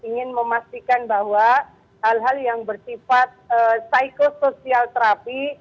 ingin memastikan bahwa hal hal yang bertifat psikosocial terapi